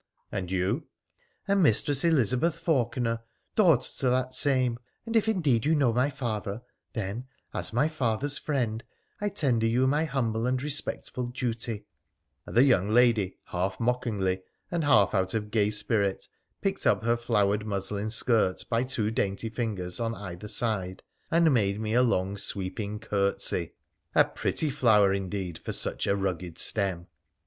' And you ?' 'I am Mistress Elizabeth Faulkener, daughter to that same; and if, indeed, you know my father, then, as my father's friend, I tender you my humble and respectful duty,' and the young lady half mockingly, and half out of gay spirit, picked up her flowered muslin skirt, by two dainty fingers, on either side and made me a long, sweeping curtsey. A pretty flower indeed, for such a rugged stem